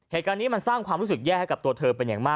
เหตุการณ์นี้มันสร้างความรู้สึกแย่ให้กับตัวเธอเป็นอย่างมาก